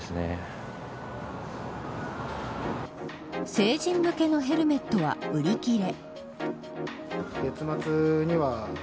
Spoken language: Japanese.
成人向けのヘルメットは売り切れ。